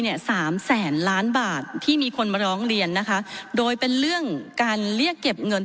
สามแสนล้านบาทที่มีคนมาร้องเรียนนะคะโดยเป็นเรื่องการเรียกเก็บเงิน